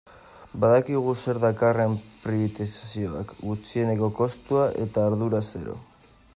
Badakigu zer dakarren pribatizazioak, gutxieneko kostua eta ardura zero.